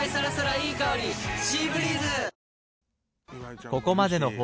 いい香り「シーブリーズ」！